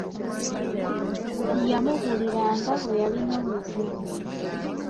Yamubuuliranga bwe yalina omuzimu.